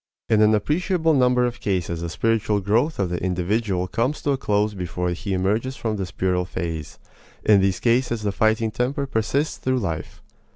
In an appreciable number of cases the spiritual growth of the individual comes to a close before he emerges from this puerile phase; in these cases the fighting temper persists through life.